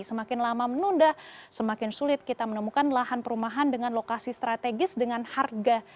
semakin lama menunda semakin sulit kita menemukan lahan perumahan dengan lokasi strategis dengan harga